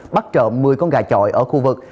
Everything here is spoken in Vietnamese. bắt trộm một mươi con gà trọi ở khu vực